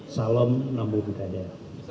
salam nambu bukadir